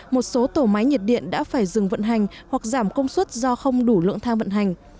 một số tổ máy nhiệt điện đã phải dừng vận hành hoặc giảm công suất do không đủ lượng than vận hành